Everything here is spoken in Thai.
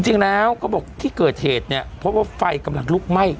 จริงแล้วเขาบอกที่เกิดเหตุเนี่ยเพราะว่าไฟกำลังลุกไหม้